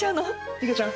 いげちゃん